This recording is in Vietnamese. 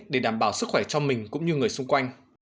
để đảm bảo sức khỏe cho mình cũng như người xung quanh